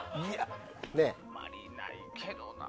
あまりないけどな。